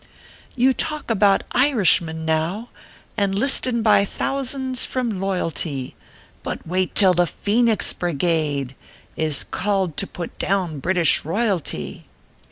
" You talk about Irishmen, now, Enlistin by thousands from loyalty ; But wait till the Phoenix Brigade Is called to put down British Royalty